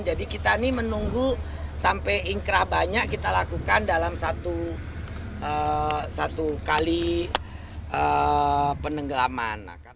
jadi kita ini menunggu sampai ingkrah banyak kita lakukan dalam satu kali penenggelaman